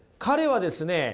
彼はですね